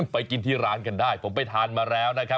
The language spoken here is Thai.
ไปกินที่ร้านกันได้ผมไปทานมาแล้วนะครับ